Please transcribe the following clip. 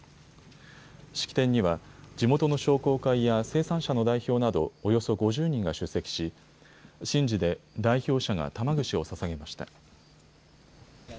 式典には地元の商工会や生産者の代表などおよそ５０人が出席し神事で代表者が玉串をささげました。